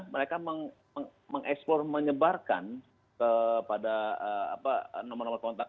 mereka mengeksplor menyebarkan pada nomor nomor kontak